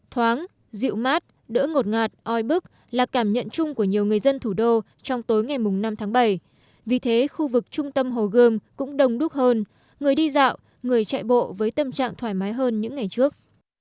thoáng dịu mát đỡ ngộ ngạt oi bức là cảm nhận chung của nhiều người dân thủ đô trong tối ngày năm tháng bảy vì thế khu vực trung tâm hồ gươm cũng đông đúc hơn người đi dạo người chạy bộ với tâm trạng thoải mái hơn những ngày trước